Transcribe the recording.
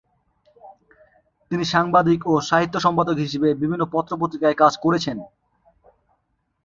তিনি সাংবাদিক ও সাহিত্য সম্পাদক হিসাবে বিভিন্ন পত্র-পত্রিকায় কাজ করেছেন।